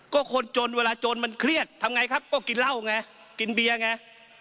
ก็คนจนเวลาจนมันเครียดทำไงครับก็กินเหล้าไงกินเบียร์ไง